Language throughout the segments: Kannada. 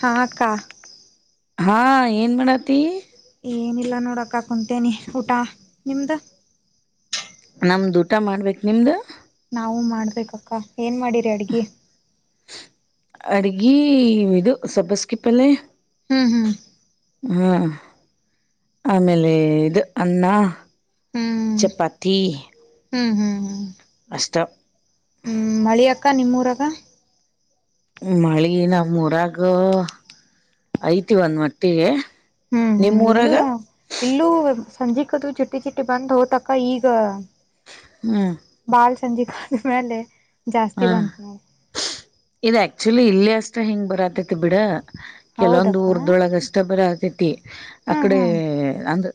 ಹ ಅಕ್ಕಾ ಹಾ ಏನ್ ಮಾಡತಿ ಏನಿಲ್ಲ ನೋಡ ಅಕ್ಕಾ ಕುಂತೇನಿ ಊಟ ನಿಮ್ದ ನಮ್ದ ಊಟ ಮಾಡ್ಬೇಕ ನಿಮ್ದ ನಾವು ಮಾಡ್ಬೇಕ ಅಕ್ಕ ಏನ್ ಮಾಡಿರಿ ಅಡ್ಗಿ ಅಡಗಿ ಇದು ಸಬ್ಬಸ್ಕಿಪ್ಪಲ್ಲೆ ಹ್ಮ್ ಹ್ಮ್ ಹ್ಮ ಆಮೇಲೆ ಇದು ಅನ್ನ ಹ್ಮ್ ಚಪಾತಿ ಹ್ಮ್ ಹ್ಮ್ ಹ್ಮ್ ಅಷ್ಟ ಹ್ಮ ಮಳಿ ಅಕ್ಕ ನಿಮ್ಮೂರಾಗ ಮಳಿ ನಮ ಊರಾಗ ಐತಿ ಒಂದ್ ಮಟ್ಟಿಗೆ ಹ್ಮ್ ಹ್ಮ್ ಇಲ್ಲೂ ನಿಮೂರಾಗ ಇಲ್ಲೂ ಸಂಜಿಕ ಚಿಟ್ಟಿ ಚಿಟ್ಟಿ ಬಂದ್ ಹೋತ ಅಕ್ಕ ಈಗ ಹೂ [unintelligible] ಜಾಸ್ತಿ ಬಂತ ನೋಡ್ ಇದು ಆಕ್ಟುವಲ್ಲಿ ಇಲ್ಲಿ ಅಷ್ಟ ಹಿಂಗ ಬರಾತೈತಿ ಬಿಡ ಕೆಲವೊಂದು ಹೌದಕ್ಕ ಊರ್ದೊಳಗ ಅಷ್ಟ ಬರ [unintelligible] ಹಾ ಅಕಡೆ ಹಾ ಅಂದ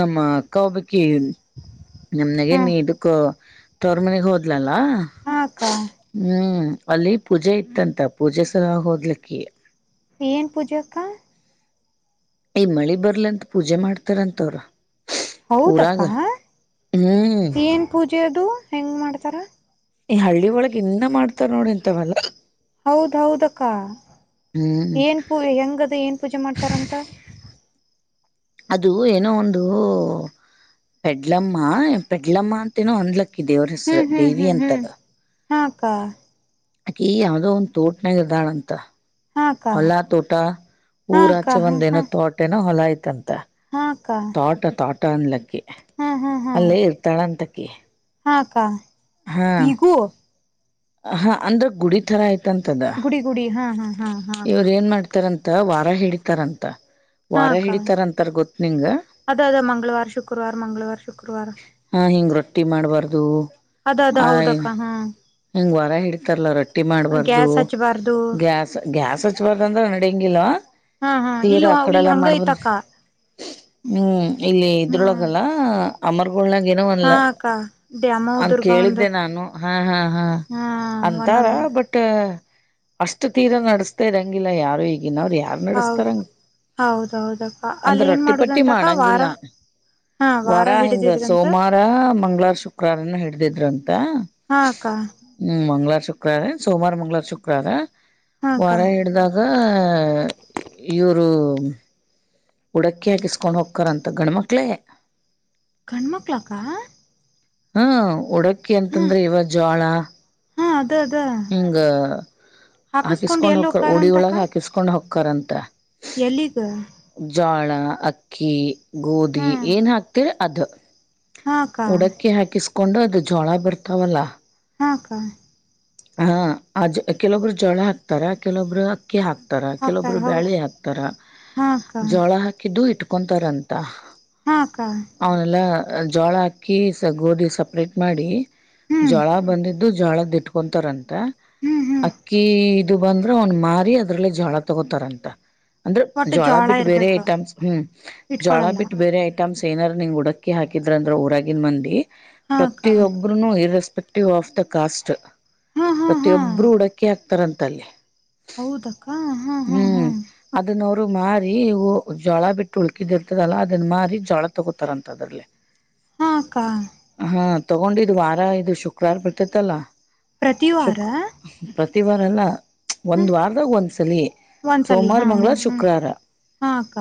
ನಮ್ಮ ಅಕ್ಕಾ ಒಬಕಿ ನಮ್ ಹಾ ನೇಗನಿ ಇದಕು ತವರು ಮನೆಗೆ ಹೋದಲಲ್ಲ ಹಾ ಅಕ್ಕಾ ಹ್ಮ್ ಅಲ್ಲಿ ಪೂಜೆ ಇತ್ತಂತ ಪೂಜೆ ಸಲ್ವಾಗಿ ಹೋದ್ಲಕಿ ಏನ್ ಪೂಜಾ ಅಕ್ಕಾ ಏ ಮಳಿ ಬರ್ಲಂತ ಪೂಜೆ ಮಾಡ್ತಾರಂತವ್ರ ಹೌದ ಊರಾಗ ಅಕ್ಕ ಹ್ಮ್ ಏನ್ ಪೂಜೆ ಅದು ಹೆಂಗ್ ಮಾಡ್ತಾರ ಈ ಹಳ್ಳಿ ಒಳಗ್ ಇನ್ನ ಮಾಡ್ತಾರ್ ನೋಡ್ ಹಿಂತವ ಎಲ್ಲಾ ಹೌದ ಹೌದ ಅಕ್ಕಾ ಹ್ಮ್ ಏನ್ ಪೂ ಹೆಂಗದ ಏನ್ ಪೂಜೆ ಮಾಡ್ತಾರಂತ ಅದು ಏನೋ ಒಂದು ಪೆಡ್ಲಮ್ಮ ಪೆಡ್ಲಮ್ಮ ಅಂತ ಏನೋ ಅಂದ್ಲಕೀ ಇದ ದೇವ್ರ ಹೆಸರ ಹ್ಮ್ ಹ್ಮ್ ದೇವಿ ಹ್ಮ್ ಅಂತದ ಹ್ಮ್ ಹಾ ಅಕ್ಕಾ ಅಕಿ ಯಾವದೋ ಒಂದ್ ತೋಟನಾಗ ಅದ್ದಾಳ ಅಂತ ಹಾ ಅಕ್ಕ ಹೊಲಾ ತೋಟ ಹಾ ಅಕ್ಕ ಊರಾಚೆ ಹಾ ಹಾ ಒಂದ ಏನೋ ತೋಟೆನ ಹೊಲ ಐ್ತತಿ ಅಂತ ಹಾ ಅಕ್ಕಾ ುಟನ್ಲ ಅಲ್ಲೇ ಇರ್ತಾಳ ಅಂತ. ಓಕೆ. ಹಾ ಅಕ್ಕ. ಹಾ. ಈಗೂ ಹಾ ಅಂದ್ರೆ ಗುಡಿ ತಥರ ಆಯ್ತು. ಗುಡಿ ಗುಡಿ ಹಾ ಹಾ. ಹಾ ಹಾ ಅಕ್ಕ ಇವ್ರು ಏನ್ ಮಾಡ್ತಾರಂತ ವಾರ ಹಿಡಿತಾರಂತ. ಕುುತ್ತ. ಹಾ ಕ ಅದೇ ಅದ ಮಂಗಳವಾರ ಶುಕ್ರವಾರ ಮಂಗಳವಾರ ಶುಕ್ರವಾರ. ರಟ್ಟಿ ಮಾಡಬಾರ್ದು. ಅದ ಅದ ಹೌದಕ್ಕ ಹಾ. ಹೆಂಗ ವರ ಹಿಡಿತತಾರಲ್ಲ ರಟ್ಟ. ಹಟ್ಟಿ ಮಾಡಬಾರ್ದು ಗ್ಯಾಸ್ ಹಚ್ಬಾರ್ದು ಗ್ಯಾಸ್ ಗ್ಯಾಸ್ ಹಚ್ಬಾರ್ದ ಅಂದ್ರ ಹಡಿಂಗ ಇಲ್ ಹಾ ಹಾ ತೀರ ಇಲ್ಲ ಇಲ್ಲಿ ಅಕಡೆಲ್ಲ ಹಂಗ ಮಾಡ್ಬಾರ ಐತಕ್ಕ ಹ್ಮ ಇಲ್ಲಿ ಹ್ಮ್ ಇದ್ರೊಳಗಲ್ಲ. ಆಮರ್ ನಾಗ ಏನೋ ಅಲ್ಲ ಹಾ ಅಕ್ಕ ದ್ಯಾಮವ ಅಂತ ದುರ್ಗವಂದ ಕೇಳಿದ್ದೆ ನಾನು ಹಾ ಹಾ. ಹಾ ಅಂತಾರ ಒಂದೊಂದ್ ಬಟ್. ಅಷ್ಟು ತೀರ ನಡೆಸ್ತಾ ಇದ್ದಂಗಿಲ್ಲ ಯಾರು ಈಗ. ಗನ್ವ್ರರು ಯಾರ್ ಹೌದು ನಡೆಸ್ತಾರಂಗ ಹೌದೌದಕ್ಕ ಅಂದ್ರ ಅಲ್ಲಿ ಏನ್ ರೊಟ್ಟಿ ಪಟ್ಟಿ ಮಾಡುದಂತಕ್ಕ ವಾರ ಮಾಡಂಗಿಲ್ಲ ಹಾ ವಾರ ಹಿಂಗ ಹಿಡಿದಿದ್ರಂತ ಸೋಮವಾರ ಮಂಗ್ಳವಾರ ಶುಕ್ರಾರನ ಹಿಡ್ದಿದರುಂತ. ಹಾ ಅಕ್ಕ ಹ್ಞ ಮಂಗಳಾರ ಶುಕವಾರ ಸೋಮವಾರ ಮಂಗಳವಾರ ಶುಕ್ರಾರ. ಹಾ ಅಕ್ಕ ವರ ಹಿಡ್ದಾಗ. ಹ ಈರು. ಹುಡಕ್ಕಿ ಹಾಕಿಸಸ್ಕೊಂಡ್ ಹಕ್ಕರಂತ ಗಂಡ್ಮಕ್ಳೇ. ಕಣ್ಮಕ್್ಲಾಕಾ. ಹ್ಮ ಉಡಕ್ಕಿ ಅಂತಂದ್ರೆ ಇವ ಜೋಳ. ಹಾ ಅದ ಅದ ಹಿಂಗ ಹಾಕಸ್ಕೊಂಡ್ ಹಾಕಿಸ್ಕೊಂಡ್ ಎಲ್ಲಿ ಹಕ್ಕ ಹೋಕಾರ ಉಡಿೊಳಗ ಹಾಕಿಸ್ಕೊಂಡ್ ಹಕ. ಕ ಎಲ್ಲಿ ಗೆ. ಜೋಳ ಅಕ್ಕಿ. ಗೋಧಿ ಹಾ ಏನ್ ಹಾಕ್ತಿರ. ಅದು. ಹಾ ಅಕ್ಕ ಉಡಕ್ಕಿ ಹಾಕಿಸ. ಕಕೊಂಡು ಅದು ಜೋಳ ಬರ್ತಾವಲ್ಲ. ಹಾ ಅಕ್ಕ. ಹ ಅ ಕೆಲೊಬ್ರು ಜಳ ಹಾಕ್ತಾರ ಕೆಲೊಬ್ರು. ಅಕ್ಕಿ ಹಾಕ್ತಾರ ಹಾಕ್ತಾರ ಕೆಲವೊಬ್ರು ಹೌದು ಬ್ಯಾಳೆ ಹಾಕ್ತಾರ ಹಾ ಅಕ್ಕ ಜೋಳ ಹಾಕಿ ದು ಇಟ್ ಕಕೊಂತಾರಂತ ಹಾಕ್ಕ ಜೋಳ ಹಾಕಿ ಸ ಗೋಧಿ ಸಪ್ರೇಟ್ ಮಾಡಿ ಹ್ಮ್ ಜ್ವಳ ಬಂದ ದು ಜಳಿಟ್ಟು ಕೊಂತರನ್ ಹ್ಮ್ ಹ್ಮ್ ಅಕ್ಕಿ ಇದು ಬಂದ್ರೆ ಅವ್ನ್ ಮಾರಿ ಅದ್ರಲ್ಲಿ ಜೋಳ ತಗೋತಾರಂತ ಅಂದ್ರೆ ಒಟ್ಟು ಜೋಳ ಬಿಟ್ಟ ಬೇರೆ ಇರ್ಬೇಕು ಐಟಮ್ಸ್ ಹ್ಮ್ ಜೋಳ ಇಟ್ಕೊಳಲ್ಲ ಬಿಟ್ಟ ಬೇರೆ ಐಟಮ್ಸ್ ಏನಾರ ನಿಂಗ್ ಹುಡಕ್ ಅಕ್ಕಿ ಹಾಕಿದ್ರ ಅಂದ್ರ ಊರಾಗಿನ್ ಮಂದಿ ಹಾ ಅಕ್ಕ ಪ್ರತಿಯೊಬ್ರುನುೂ ಇರಷ್ಟ ಎಸ್ಪೆಕ್ಟಿವ್ ಆಫ್ ದ ಕಾಸ್ಟ್ ಹಾ ಹಾ ಪ್ರತಿಯೊಬ್ಬರು ಹುಡುಕಿ ಆಕ್ತ ತರಂತಲ್ಲಿ ಹೌದಕ್ಕಾ ಹಾ ಹಾ ಹಾ ರು ಮಾರಿ ಜೋಳ ಬಿಟ್ಟು ಉಳ್ಕಿದ ಇರ್ತದಲ್ಲಾ ಅದನ್ನ ಮಾರಿ ಜೋಳ ತಗೋತಾರಂತ ಅದ್ರಲ್ಲಿ ಹಾಕ್ಕಾ ಹಾ ತಗೊಂಡಿದ್ ವಾರ ಇದು ಶುಕ್ರವಾರ ಬಿಡ್ತೈತ್ತಲ್ಲ ಪ್ರತಿವಾರ ತ್ತಿವಾರಲ್ಲ ಒಂದ್ ವಾರದಾಗ ಒಂದ್ಸಲಿ ಒಂದ್ಸಲಿ ಸೋಮವಾರ ಹಾ ಹಾ ಮಂಗ್ಗಳವಾರ ಹ್ಮ್ ಶುಕ್ರವಾರ ಹಾ ಅಕ್ಕ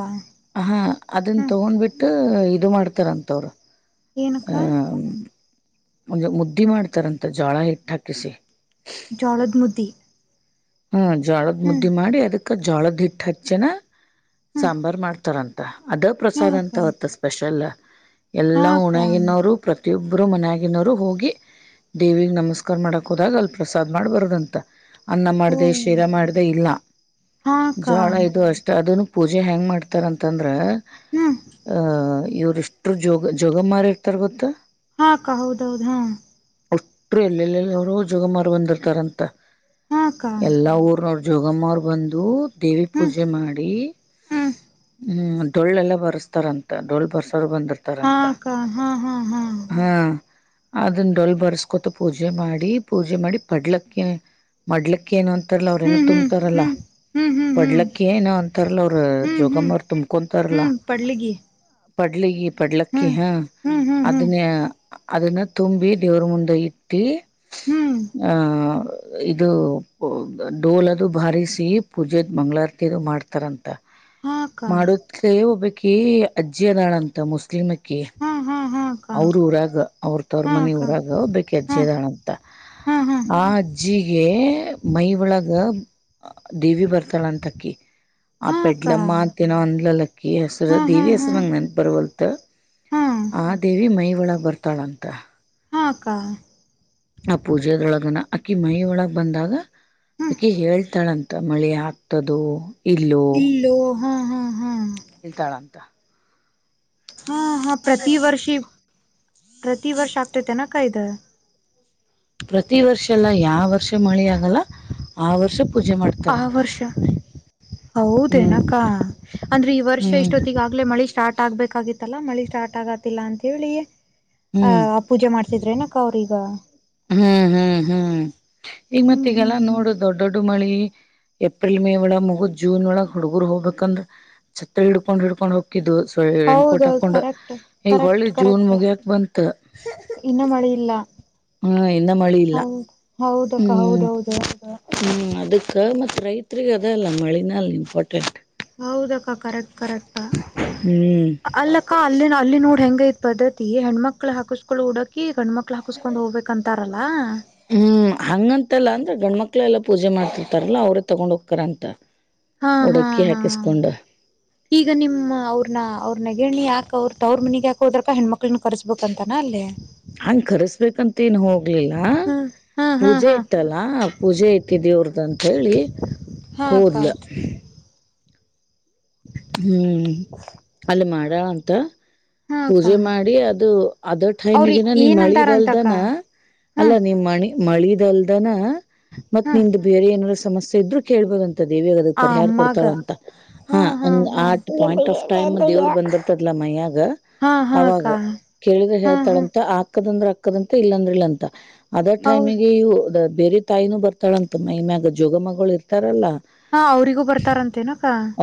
ಹ ಅದನ್ನ ಹ್ಮ್ ತಗೊಂಡ್ಬಿಟ್ಟು ಇದು ಮಾಡ್ತಾರಂತವರು ಏನಕ್ಕ ಒಂದು ಮುದ್ದಿ ಮಾಡ್ತಾರಂತ ಜೋಳ ಹಿಟ್ಟ ಹಾಕ್ ಕೃಷಿ ಜೋಳದ್ ಮುದಿ ಹಾ ಜೋಳದ ಮುದ್ದಿ ಮಾಡಿ ಅದಕ್ ಜೋಳದ ಹಿಟ್ಟ ಹಚ್ಚನ ಹ್ಮ್ ಸಾಂಬಾರ್ ಮಾಡ್ತಾರಂತ ಅದ ಹಾ ಪ್ರಸಾದ ಅಕ್ಕ ಅಂತ ಹೊತ್ತು ಸ್ಪೆಷಲ್ ಹಾ ಎಲ್ಲಾ ಅಕ್ಕ ಉಣಗಿನವರು ಪ್ರತಿಯೊಬ್ ಒಬ್ರು ಮನಯಗನೋರು ಹೋಗಿ ದೇವಿಗೆ ನಮಸ್ಕಾರ ಮಾಡಕ್ ಹೋದಾಗ ಅಲ್ಲಿ ಪ್ರಸಾದ್ ಮಾಡ್ಬಾರದುಂತ ಹೋ ಅ ಶೀರ ಮಾಡದ ಇಲ್ಲ ಹಾ ಅಕ್ಕ ಜೋಳ ಇದು ಅಷ್ಟ ಅದನ್ನು ಪೂಜೆ ಹೆ್ಯಾಂಗ್ ಮಾಡ್ತಾರಂತಂದ್ರ ಹ್ಮ್ ಆ ಇವರು ಅವ ಎಷ್ಟು ಜೋಗ ಜೋಗ ಮಾರಿ ಇರ್ತಾರ ಗೊತ್ತಾ ಹಾಕ್ಕ ಹೌದೌದ ಹಾ ಅಷ್ಟರು ಎಲ್ಲೆಲ್ಲೆರು ಜೋಗಮಾರ ಬಂದಿರ್ತಾರಂತ ಹಾ ಅಕ್ಕ ಎಲ್ಲಾ ಊರ್ ನೋಡಿ ಜೋಗಮ್ಮವರು ಬಂದು ದೇವಿ ಹ್ಮ್ ಪೂಜೆ ಮಾಡಿ ಹ್ಮ್ ಹ್ಮ್ ಡೊಳ್ಳೆಲ್ಲ ಬರೆಸ್ತಾರಂತ ಡೋೊಳ್ಳು ಬರ್ಸ್ ಹಾಾ ಹಾ ಹಾ ಹಾ ಅದನ್ನ ಡೊಲ್ ಬರ್ಸ್ಕೊತ ಪೂಜೆ ಮಾಡಿ ಪೂಜೆ ಮಾಡಿ ಪಡ್ಲಕ್ಕೆ ಮಡ್ಲಕ್ಕೆ ಕೆನೋ ಾರಲ ಅವ್ರ ಏನ ಹ್ಮ್ ಹ್ಮ್ ತುಂಬ್ತಾರಲ್ಲ ಹ್ಮ್ ಹ್ಮ್ ಹ್ಮ್ ಹ್ಮ್ ಪಡ್ಲಕ್ಕ ಏನ ಅಂತಾರಲ್ಲ ಅವ್ರ ಹ್ಮ್ ಹ್ಮ್ ಜೋಗಮ್ಮ ಅವರು ತುಂಬಕೊಂತಾರಲ್ಲ ಹ್ಮ್ ಪಡ್ಲಿಗಿ ಪಡ್ಲಿ ಬಡ್ಲಕ್ಕಿ ಹ್ಮ್ ಹಾ ಹ್ಮ್ ಹ್ಮ್ ಹ್ಮ್ ಅದನ್ನ ಅದನ್ನ ತುಂಬಿ ದೇವ್ರ ಮುಂದೆ ಇಟ್ಟಿ ಹ್ಮ್ ಹ ಇದು ಡೋಲ ಅದು ಬಾರಿಿಸಿ ಪೂಜೆ ಮಂ್ಗಳಾರತಿದು ಮಾಡ್ತಾರಂತ ಹಾ ಅಕ್ಕ ಮಾಡದ ಹೋಗಬಬೇಕ ಕ ಅಜ್ಜಿಯದಳಂತ ಮುಸ್ಲಿಮ ಹಾ ಹಾ ಹಾ ಅಕ್ಕ ಅವ್ರ ಊರಾಗ ಅವ್ರ ತವ್ರ ಹಾ ಮನ ಅಕ್ಕ ಊರಾಗ ಬೇಕೆ ಹಾ ಅಜ್ಜಿದಳ ಅಂತ ಹಾ ಹಾ ಆಜ್ಜ ಜಿಗೆ ಮೈ ಒಳಗ ದೇವಿ ಬರ್ತಾಳ ಅಂತ ಅಕ್ಕಿ ಆ ಹಾ ಪೆಡ್ಲಮ್ಮ ಅಕ್ಕ ತಿಿನೋ ಅನ್ಲಕ್ಕ ಈ ಹೆಸರ ಹಾ ಹಾ ದೇವಿ ಹ ಹಾ ಹೆಸರುರಂಗ ನಾನನ್ ಬರಬಲ್ ಹಾ ಆ ದೇವಿ ಮೈ ಒಳಗ್ ಬರ್ತಾಳಂತ ಹಕ ಆ ಪೂಜೆದೊಳಗನ ಅಕ್ಕಿ ಮೈ ಒಳಗ್ ಬಂದಾಗ ಅಕ್ಕಿ ಹೇಳ್ತಾಳಂತ ಮಳೆ ಆಗ್ತದ ಇಲ್ಲಲು ಇಲ್ಲೋ ಹಾ ಹಾ ಹಾ ಹೇಳ್ತಾಳ ಅಂತ ಹಾ ಹಾ ಪ್ರತಿ ವರ್ಷಿ ಪ್ರತಿ ವರ್ಷ ಆಗ್ತತೆನಾ ಕಾಯ್ದ ಪ್ರತಿ ವರ್ಷ ಎಲ್ಲ ಯಾವ ವರ್ಷ ಮಳೆ ಆಗಲ್ಲ ಆ ವರ್ಷ ಪೂಜೆ ಆ ಮಾಡ್ತಾರಂತ ವರ್ಷ ಹ್ಮ್ ಹೌದೇನಕ್ಕ ಅಂದ್ರೆ ಈ ವರ್ಷ ಹ್ಮ್ ಇಷ್ಟೊತ್ತಿಿಗೆ ಆಾಗಲೇ ಮಳಿ ಸ್ಟಾರ್ಟ್ ಆಗ್ಬೇಕ ಆಗತ್ತಲ್ಲಾ ಮಳಿ ಸ್ಟಾರ್ಟ್ ಆಗತಿಲ್ಲ ಅಂತ ಹೇಳಿ ಆ ಹ್ಮ್ ಆ ಪೂಜೆ ಮಾಡ್ಸಿದ್ರೆನಕ್ಕ ಅವ್ರೀಗ ಹ್ಮ್ ಹ್ಮ್ ಹ್ಮ್ ಈಗ ಮತ್ ಹ್ಮ್ ಹ್ಮ್ ಈಗೆಲ್ಲಾ ಹ್ಮ್ ನೋಡು ದೊಡ್ಡ ದೊಡ್ಡ ಮಳಿ ಏಪ್ರಿಲ್ ಮೇ ಒಳಗ ಮುಗುದ್ ಜೂನ್ ಒಳಗ ಹುಡ್ಗೂರ್ ಹೋಗ್ಬೇಕಂದ್ರ ಛತ್ರ ಹಿಡ್ಕೊಂಡ್ ಹಿಡ್ಕೊಂಡ್ ಹೋಗ್ಕಿದ್ದು. ರೆಣಕೊಟ್ ಹೌದೌದು ಹಾಕೊಂಡ್ ಕರೆಕ್ಟ್ ಈಗ ಹೋಳ್ಳಿ ಕರೆಕ್ಟ್ ಜೂನ್ ಕರೆಕ್ಟ್ ಮುಗ್ಯಕ್ ಬಂತ ಇನ್ನ ಮಳಿ ಇಲ್ಲ ಹ್ಮ ಇನ್ನ್ ಮಳಿ ಇಲ್ಲ ಹೌದು ಹೌದಕ್ಕ ಹ್ಮ್. ಹೌದೌದು ಹ್ಮ ಅದಕ್ಕ ಮತ್ತ ರೈತ್ರರಿಗ ಅದೇ ಅಲ್ಲ ಮಳಿನ ಅಲ್ಲ ಇಂಪಾರ್ಟೆಂಟ್. ಹೌದಕ್ಕ ಕರೆಕ್ಟ್. ಕರೆಕ್ಟ್ ಹ್ಮ್ ಅಲ್ಲಕ್ಕ ಅಲ್ಲಿ ಅಲ್ಲಿ ನೋಡ್ ಹೆಂಗ ಐತ ಬದಕ್ ಈ ಹೆಣ್ಮಕ್ಳು ಹಾಕಸ್ಕೊಳ್ಳೋ ಉಡಕ್ಕಿ ಗಣ್ಮ ಮಕ್ಳ ಹಾಕಸ್ಕೊಂಡ್ ಹೋಗಬೇಕ ಅಂತ. ತರಲ್ಲ ಹ್ಮ್ ಹಂಗಂತಲ್ಲ ಅಂದ್ರ ಗಂಡ್ಮಕ್ಳ ಎಲ್ಲಾ ಪೂಜೆ ಮಾಡ್ತಿರ್ತಾರಲ್ಲ ಅವ್ರೇ ತೊಗೊಂಡ ಹೋಗ್ತಾರ ಅಂತ. ಹಾ ಹಾ ಹಾ ಈಗ ನಿಮ್ಮ ಅವ್ರನ್ನ ಅವ್ರನ ನೇಗೇಣಿ ಅವ್ರ ತವ್ರ ಮನಿಗ್ ಯಾಕ್ ಹೋದ್ರಕ್ಕ ಹೆಣ್ಣಮಕ್ಕ್ಲನ್ ಕರಸ್ಬೆಕಂತೆನ್ ಅಲ್ಲಿ. ಹಂಗ್ ಕರ್ಸ್ಬೇಕಂತ ಏನ್ ಹೋಗ್ಲಿಲ್ಲ ಹಂ ಹಾ ಹಾ ತಿ ದೇವ್ರದಂತ್. ಅಂತ ಹೇಳಿ ಹಾ ಅಕ್ಕ ಹೋದ್ಲ. ಹ್ಮ್ ಅಲ್ಲಿ ಮಾಡ್ಯಾಳ ಅಂತ. ಹಾ ಅಕ್ಕ ಪೂಜೆ ಮಾಡಿ ಅದು ಅದ ಅವ್ರಿ ಟೈಮಗಿನ ನೀ ಏನಂತಾರಂತಕ್ಕ ಮಳಿದಲ್ದನ ಹಾ ಅಲ್ಲ ನೀಮ್ ಮಣಿ ಮಳಿದಲ್ದನ ಮತ್ತ ಹಾ ನಿಂದ ಬೇರೆ ಏನರಾ ಸಮಸ್ಯೆ ಇದ್ರು ಕೇಳ್ಬಹದು ಅಂತ. ದೇವಿ ಅದಕ್ ಆ ಪರಿಹಾರ ಅಮ್ಮಾಗ ಕೊಡ್ತಾಳ ಅಂತ. ಹಾ on at point tough time ದೇವ್ರ ಬಂದಿರ್ತದಲ್ಲ ಮೈಯಾಗ ಹಾ ಹಾ ಅವಾಗ ಅಕ್ಕ ಕೇಳಿದ್ರೆ ಹಾ ಹಾ ಹೇಳ್ತಾಳಂತ ಆಕದ ಅಂದ್ರ ಆಕ್ಕದಂತ ಇಲ್ಲಾಂದ್ರ ಇಲ್ಲ ಅಂತ. ಅದ ಹೌ ಟೈಮಿಗೆ ಇವು ದ ಬೇರೆ ತಾಯಿನೂ ಬರ್ತಾಳಂತ ಮೈ ಮ್ಯಾಗ ಜೋಗಮ್ಮಗೋಳ ಇರ್ತಾರಲ್ಲಾ ಹಾ ಅವ್ರಿಗೂ ಬರ್ತಾರಂತೇನ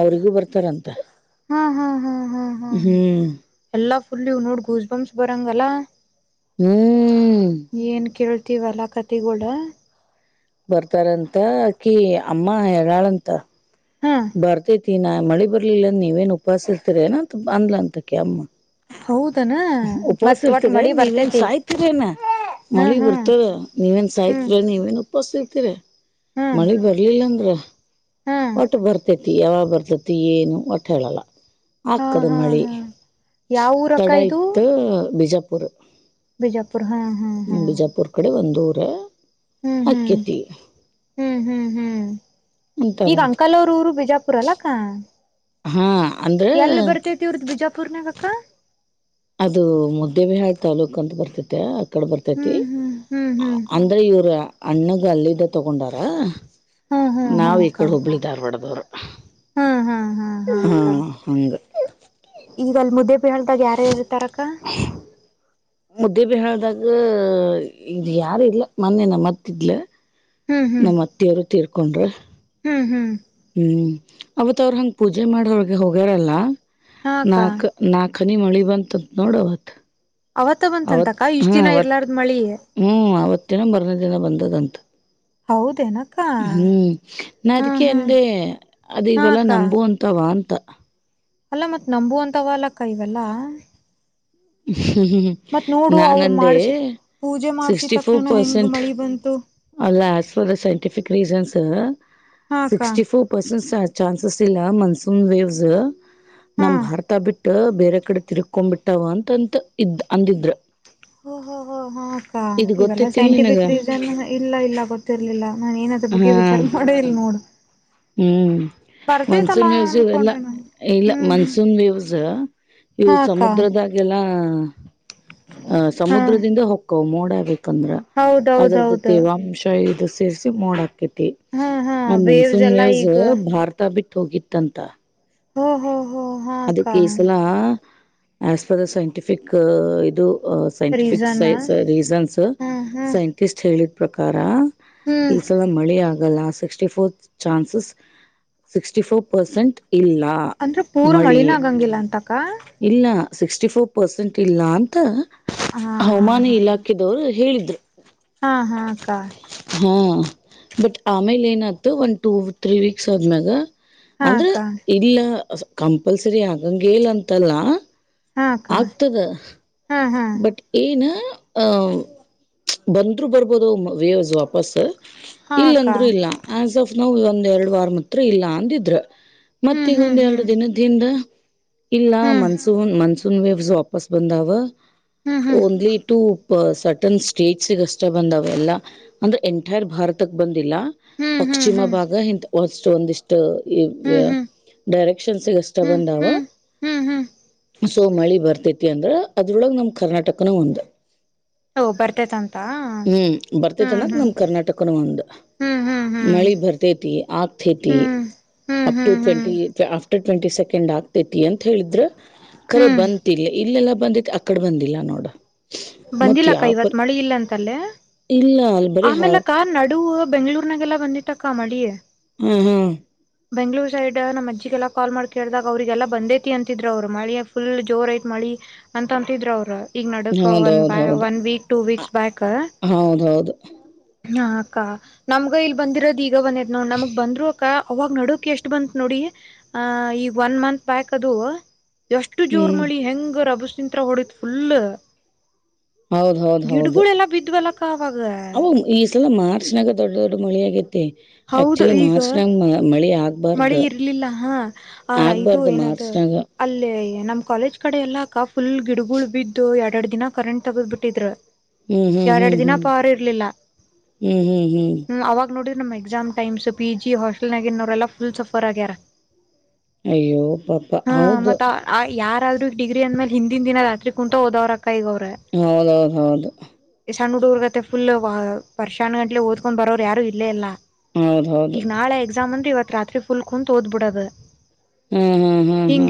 ಅವರಿಗೂ ಬರ್ ತರಂತ. ಹ್ಮ ಹಂ ಹಂ ಹಂ ಎಲ್ಲ ನೋಡ್ ಗೂಸ್ ಬಂಪ್ಸ್ ಬರಂಗಲ್ಲಾ ಹ್ಮ್ ಏನ್ ಕೇಳ ತಿವಾಲಕಾ ತಿಬಡ ಬರ್ತಾರಂತಅಕಿ ಅಮ್ಮ ಹೇಳಂತ ಹಾ ಬರ್ತಿತಿ ತ್ತಿ ನಾ ಮಳಿ ಬರ್ಲಿಲ್ಲ ಅಂದ ನೀವೇನ್ ಉಪಾಸ ಇರ್ತೀರ ಏನ ಅಂತ ಬಂದ್ಲನಂತ ಅಕಿ ಅಮ್ಮ ಹೌದನ ಉಪವಾಸ ಮತ್ ಒಟ್ ಮಳಿ ಇರ್ತೀರೆನ್ ನೀವೇನ್ ಬರ್ತೇತಿ ಸಾಯ್ತಿರೇನ ಹಾ ಮಳಿ ಹಾ ಬರ್ತಾದ ನೀವೇನ್ ಹ್ಮ್ ಸಾಯ್ತಿರ ನೀವೇನ್ ಬಸ್ತಿ ಕೆರೆ ಹ್ಮ್ ಮಳೆ ಬರ್ಲಿಲ್ಲಂದ್ರ ಹ್ಮ್ ಒಟ್ಟು ಬರ್ತೇ ತ್ತಿ ಯಾವಾಗ ಬರ್ತತಿ ಏನು ಒಟ್ಟು ಹೇಳಲ್ಲಾ ಹಾ ಅಕ್ಕದ ಹಾ ಮಳಿ ಹಾ ಯಾವ ಊರಕ್ಕ ತಡ ಇತ್ ಬಿಜ ಬೋರ ಬಿಜಾಪುರ ಹ ಹ ಹ ದೂಯ್ಯ ಆಕ್ಕೆತಿ ಹ್ಮ್ ಹ್ಮ್ ಹ್ಮ್ ಈಗ ಆಂಕಲ್ ಊರು ಬಿಜಾಪುರ ಅಲ್ಲಕ್ಕ ಹ್ಹು ಹ್ಹಾ ಎಲ್ಲಿ ಬರ್ತೇತಿ ಇವರದು ಬಿಜಾಪುರ್ನಾಗ ಅಕ್ಕ ಅದು ಮುದ್ದೆಬಿಹಾಳ ತಾಲ್ಲೂಕು ಅಂತ ಬರ್ತತ್ಯಾ ಅಕಡೆ ಬರ್ತೈತಿ ಹ್ಮ್ ಹ್ಮ್ ಹ್ಮ್ ಹ್ಮ್ ಅಂದ್ರೆ ಇವ್ರ ಅಣ್ಣಗ ಅಲ್ಲಿದ ತೊಗೊಂಡಾರಾ ಹ್ಮ್ ಹ್ಮ್ ನಾವು ಹ್ಮ್ ಈ ಅಕ್ಕ ಕಡೆ ಹುಬ್ಳಿ ಧಾರ್ವಾಡದವರು ಹ್ಮ್ ಹ್ಮ್ ಹ್ಮ್ ಕ್ಸಾ ಹ್ಹಿ ಅಕ್ಕ ಹಾ ಹಂಗ ಈಗ ಅಲ್ಲಿ ಮುದ್ದೆ ಬಿಹಾಳದಾಗ ಯಾರು ಯಾರ ಇರ್ತಾರ ಅಕ್ಕಾ ಮುದ್ದೆಬಿಹಾಳದಾಗ ಇಲ್ಲಿ ಯಾರ ಇಲ್ಲ ಮೊನ್ನೆ ನಮ್ಮತ್ತಿದ್ಲ ಹ್ಮ್ ಹ್ಮ್ ನಮ್ಮ ಅತ್ತಿಯವರು ತೀರ್ಕೊಂಡ್ರು ಹ್ಮ್ ಹ್ಮ್ ಹು ಅವತ ಅವ್ರ ಹಂಗ ಪೂಜೆ ಮಾಡಹೊಳಗೆ ಹೋಗ್ಯಾರಲ್ಲ ಹಾ ಅಕ್ಕ ನಾಕಾಕ್ಕ್ ನಾ ನಹನಿ ಮಳಿ ಬಂತ ನೋಡಅವತ್ತ ಅವತ್ತ ಅವತ ಬಂತಂತಕ್ಕ ಇಷ್ಟ್ ಹಾ ದಿನ ಅವತ ಇರ್ಲಾರ್ದ್ ಮಳಿ ಹು ಅವತ್ತಿನ ಬರನೇ ದಿನಾ ಬಂದೆ ಬಂದೆತಂತ ಹೌದೇನಕ್ಕ ಹಾ ಹಾ ಅದೇ ಅದ ಹಾ ಇವೆಲ್ಲ ಅಕ್ಕ ನಂಬು ಅಂತವಾ ಅಂತ ಅಲ್ಲ ಮತ್ ನಂಬುವಂತ ವಲ್ಲಕ್ಕ ಇವಲ್ಲ ಹ [inaudible] ಹ್ಮ್ ಹ್ಮ್ ನಾನಂದೆ ಮಾಡ್ಸ ಪೂಜೆ ಮಾಡ್ಸಿದ ಸಿಕ್ಸ್ಟಿ ಫೋರ್ ತಕ್ಷಣ ಹೆಂಗ್ ಪರ್ಸೆಂಟ್ ಮಳಿ ಬಂತು ಅಲ್ಲಸ್ ಫಾರ್ ಸೈಂಟಿಫಿಕ್ ರೀಸನ್ಸ್ ಹಾ ಅಕ್ಕ ಸಿಕ್ಸ್ಟಿ ಫೋರ್ ಪರ್ಸೆಂಟ್ ಚಾನ್ಸ್ ಇಲ್ಲ ಮನ್ಸೂನ್ ವೇವ್ಜ ಹಾ ನಮ್ ಭಾರತ ಬಿಟ್ಟು ಬೇರೆ ಕಡೆ ತಿರ್ಕೊಂಡ್ ಬಿಟ್ಟಾವ ತಂತ ಇದ್ದ ಹ ಹ ಹ ಹಾ ಅಕ್ಕಾ ಇದ್ ಇವೆಲ್ಲಾ ಗೊತ್ತೈತಿಲ್ ನಿನಗ ಸೈಂಟಿಫಿಕ್ ರೀಸನ್ ಇಲ್ಲ ಇಲ್ಲ ಗೊತ್ತಿರ್ಲಿಲ್ಲ ನಾನ ಏನದ್ರ ಹಾ ಬಗ್ಗೆ ವಿಚಾರ ಮಾಡ ಇಲ್ ನೋಡ ಹ್ಮ್ ಮನ್ಸೂನ್ ವೇವ್ಸ್ ಇ ಎಲ್ಲ ಅನ್ಕೊಂಡೆ ನಾನು ಇಲ್ಲ ಹ್ಮ್ ಹ್ಮ್ ಮನ್ಸೂನ್ ವೇವ್ಸ್ ಇವು ಹಾ ಅಕ್ಕ ಸಮುದ್ರದಾಗೆಲ್ಲಾ ಹಾ ಆ ಹಾ ಸಮುದ್ರದಿಂದ ಹೊಕ್ಕ ಕೊ ಮೋಡ ಆಗಿತ್ತಿ ತಂದ್ರ ಅದ್ರದ್ದ ಹೌದೌದೌದು ತೇವಾಂಶ ಇ [inaudible] ಸೇರಿಸಿ ಮೋಡಾಕಿತ್ತಿ... ಹಾ ಹಾ [inaudible] ಆ ವೇವ್ಸ್ ಮನ್ಸೂನ್ ಎಲ್ಲಾ ವ್ಯೂಸ್ ಈಗ ಭಾರತ ಬಿಟ್ಟು ಹೋಗಿತ್ತಂತ ಹ್ಮು ಹ್ಮು... ಅದಕ್ಕೆ ಇಸಲಾ... ಆಸ್ ಪರ್ ದ ಸೈಂಟಿಫಿಕ್ ಇದು ಸೈಂಟಿಫಿಕ್ ರೀಸನ್ ಸೈ ರೀಸನ್ಸ್ ಹ್ಮ್ ಹ್ಮ್ ಸೈಂಟಿಸ್ಟ್ ಹೇಳಿದ ಪ್ರಕಾರ ಹ್ಮ್ ಈ ಸಲ ಮಳೆ ಆಗ last sixty four chances sixty four percent ಇಲ್ಲಾ.. ಅಂದ್ರೆ ಪೂರ ಮಳಿನ ಆಂಗಿಲ್ಲ ಅಂತ ಕಾ.. ಇಲ್ಲಾ ಸಿಕ್ಸ್ಟಿ ಫೋರ್ ಪರ್ಸೆಂಟ್ ಇಲ್ಲಾ ಅಂತ ಹಾ ಹಾ ಹವಾಮಾನ ಹಾ ಇಲಾಖೆದವ್ರು ಹೇಳಿದ್ರು ಹಾ ಹಾಕ್ಕಾ ಹಾ ಬಟ್ ಆಮೇಲೆ ಏನತು ಒನ್ ಟೂ ತ್ರೀ ವೀಕ್ಸ್ ಆದ್ಮ್ಯಗ ಹಾ ಅಂದ್ರೆ ಅಕ್ಕ ಇಲ್ಲಾ ಕಂಪಲ್ಸರಿ ಆಗಾಂಗೆ ಇಲ್ ಅಂತಲ್ಲ ಹಾ ಅಕ್ಕ ಆಗ್ತದ ಹಾ ಹಾ ಬಟ್ ಏನಾ ಅ.. [unintelligible] ಬಂದ್ರು ಬರ್ಬೋದು ವೇವ್ಸ್ ವಾಪಸ್ ಹಾ ಅಕ್ಕ ಇಲ್ಲಂದ್ರು ಇಲ್ಲ ಎಸ್ ಇಫ್ ನಾವವು ಒಂದ್ ಎರಡು ವಾರ ಮಾತ್ರ ಇಲ್ಲ ಅಂದಿದ್ರ ಹ್ಮ್ ಹ್ಮ್ ಮತ್ತೀಗೊಂದ ಎರಡು ಹ್ಮ್ ದಿನದಿಂದ ಇಲ್ಲಾ ಹ್ಮ್ ಮನ್ಸೂನ್ ಮನ್ಸೂ [inaudible] ವೇವ್ಸ್ ವಾಪಸ್ ಬಂದಾವ ಹ್ಮ್ ಓನ್ಲಿ ಟು ಸಟನ್ ಸ್ಟೇಟ್ಸ್ಗ ಅಷ್ಟೇ ಬಂದಾವ ಎಲ್ಲ ಅಂದ್ರೆ ಎಂಟೈರ್ ಭಾರತಕ್ ಬಂದಿಲ್ಲ ಹ್ಮ್ ಹ್ಮ್ ಪಶ್ಚಿಮ ಭಾಗ ಹ್ಮ್ ಇಂತ ಇಷ್ಟ ಒಂದಿಷ್ಟು ಈ ಹ್ಮ್ ಹ್ಮ್ ಡೈರೆಕ್ಷನ್ಸಷ್ಟ ಹ್ಮ್ ಹ್ಮ್ ಬಂದಾವ ಹ್ಮ್ ಹ್ಮ್ ಹ್ಮ್ ಸೊ ಮಳಿ ಬರ್ತೈತಿ ಅಂದ್ರ ಅದ್ರೊಳಗ್ ನಮ ಕರ್ನಾಟಕನ ಹಂದ ಓ ಬರ್ತೇತಂತ ಹ್ಮ್ ಹ್ಮ್ ಬರ್ತೆೇತನಕ ಹ್ಮ್ ನಮ ಕರ್ನಾಟಕನ ಒಂದ ಹ್ಮ್ ಹ್ಮ್ ಹ್ಮ್ ಮಳಿ ಹ್ಮ್ ಬರ್ತೇತಿ ಆಗ್ತೇತಿ ಹ್ಮ್ ಹ್ಮ್ ಅಪ್ ಹ್ಮ್ ಹ್ಮ್ ಟ್ವೆಂಟಿ ಟ್ವೆಂಟಿ ಸೆಕೆ್ ಆಗ್ತತಿ ಅಂತ ಹೇಳಿದ್ರೆ ಕಖರೆ ಹ್ಮ್ ಬಂತಿಲ್ಲ ಇಲ್ಲೆಲ್ಲ ಬಂದ ಅಕ್ಕಡ ಬಂದಿ ಇಲ್ಲ ನೋಡ ಮತ್ ಬಂದಿಲ್ಲಕ್ಕ ಯಾವ ಇವತ್ ಪರಿ ಮಳೆ ಇಲ್ಲ ಅಂತಲ್ಲೇ ಇಲ್ಲ ಅಲ್ ಬರೀ ಹ ಆಮೇಲೆ ಕಾರ್ ನಡುವ ಬೆಂಗಳೂರ್ನಾಗೆಲ್ಲ ಬಂದಿಟ್ಟಕ್ಕ ಮಡಿಯೇ ಹ್ಮ್ ಹ್ಮ್ ಬೆಂಗ್ಳೂರ್ ಸೈಡ್ ನಮ್ಮ ಅಜ್ಜಿಗೆಲ್ಲಾ ಕಾಲ್ ಮಾಡ್ ಕೇಳ್ದಾಗ ಅವ್ರಿಗೆಲ್ಲ ಬಂದೇತಿ ಅಂತಿದ್ ಅವ್ರು ಮಳಿ ಫುಲ್ ಜೋರ್ ಐತ್ ಮಳಿ ಅಂತ ಅಂತಿದ್ರ ಅವರು ಈಗ ನ ವ ಹೌದೌದ ಬ ಹೌದು ವನ್ ವೀಕ್ ವೀಕ್ಸ್ ಬಾಯ ಕ ಹೌದೌದು ಹಾ ಅಕ್ಕ ನಮ್ಗ ಇಲ್ಲಿ ಬಂದಿರೋದ ಈಗ ಒಂದದ ನೋ ನಮಗ್ ಬಂದ್ರು ಅ ಅವಾಗ ನಡಕ್ ಎಷ್ಟು ಬಂತ ನೋಡಿ ಆ ಈಗ ಒನ್ ಮಂತ್ ಬ್ಯಾಕ್ ಅದು ಎಷ್ಟು ಜೋರ್ ಹ್ಮ್ ಮಳಿ ಹೆಂಗ ರಭ ಚಿಂತ್ರ ಹೊಡತ್ ಫುಲ್ ಹೌದ್ ಹೌದ್ ಹೌದು ಗಿಡಗಳೆಲ್ಲ ಬಿದ್ವಲ್ಲಕ್ಕ ಆವಾಗ ಅಲ್ಲ ಮಾರ್ಚ್ಗ ದೊಡ್ಡ ದೊಡ್ಡ ಮಳಿಯಾಗಿತ್ತು ಹೌದು ಆಕ್ಚುಲಿ ಮಾರ್ಚ್ ಈಗ ನಂಗ್ ಮಳಿ ಆಗ ಮಳಿ ಇರ್ಲಿಲ್ಲ ಹಾ ಆ ಇದು ಆಗ್ಬಾರ್ದ ಏನದು ಮಾರ್ಚ್ನಾಗ ಅಲ್ಲೇ ನಮ್ ಕಾಲೇಜ್ ಕಡೆ ಎಲ್ಲಾಕ್ಕ ಫುಲ್ ಗಿಡಗಳುುಳ ಬಿದ್ದು ಎರ ಎರಡು ದಿನ ಕರೆಂಟ್ ತಗದ್ ಬಿಟ್ಟಿದ್ರರು ಹ್ಮ ಹ್ಮ ಹ್ಮ ಹ್ಮ ಹ್ಮ ಹ್ಮ್ ನಮ್ಮ್ ಎಕ್ಸಾಮ್ ಟಮ್ಸ್ ಪಿ ಜಿ ಹಾಸ್ಟೆಲ್ನ ಇೋರೆಲ್ಲ ಫಲ್ಸಫರ್ ವಗರ ಅಯ್ಯೋ ಪಾಪ ಹೌದು ಯಾರಾದ್ರೂ ಡಿಗ್ರಿ ಅಂದ ಮೇಲೆ ಹಿಂದಿನ ದಿನ ರಾತ್ ಕುೂಂತ ಹೋದವ್ ಹೌದೌದ ಹೌದು ಚಣ್ಣ ಹುಡುಗರ್ರುಗತ್ತ ಫುಲ್ ವ ಪರ್ಷ್ನ್ ಗಟ ಓದಕೊಂಡ್ ಬರೋ್ರು ಯಾರು ಇಲ್ಲೇ ಇಲ್ಲ ಹೌದೌದು ಈಗ ನಾಳೆ ಎಕ್ಸಾಮ್ ಅಂದರಿ ಇವತ್ತು ತ್ರಿ ಫುಲ್ಕೊಂಡ ತೋದ್ಬ ಬಿಡದು ಹ್ಮ್ ಹ್ಮ್ ಹ್ಮ್ ಹ್ಮ್